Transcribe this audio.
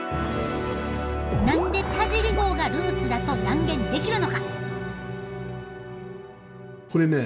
何で田尻号がルーツだと断言できるのか。